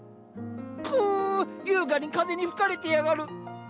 くぅ優雅に風に吹かれてやがる。